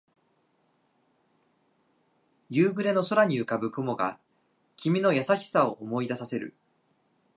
夕暮れの空に浮かぶ雲が君の優しさを思い出させる